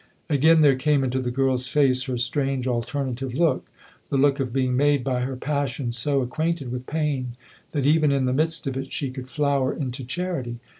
Again there came into the girl's face her strange alternative look the look of being made by her passion so acquainted with pain that even in the midst of it she could flower into charity.